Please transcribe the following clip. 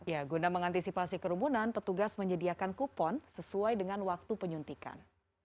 ya guna mengantisipasi kerumunan petugas menyediakan kupon sesuai dengan waktu penyuntikan